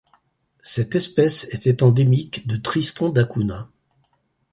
Cette espèce était endémique de Tristan da Cunha.